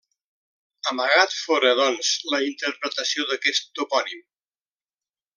Amagat fóra, doncs, la interpretació d'aquest topònim.